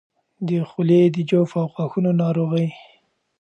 د خولې د جوف او غاښونو ناروغۍ